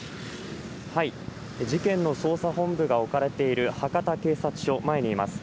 事件の捜査本部が置かれている博多警察署前にいます。